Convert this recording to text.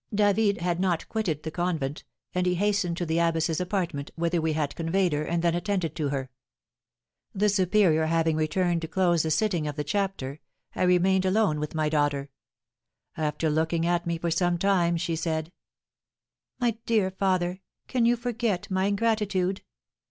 David had not quitted the convent, and he hastened to the abbess's apartment, whither we had conveyed her, and then attended to her. The superior having returned to close the sitting of the chapter, I remained alone with my daughter. After looking at me for some time, she said: "My dear father, can you forget my ingratitude?